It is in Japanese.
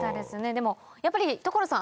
でもやっぱり所さん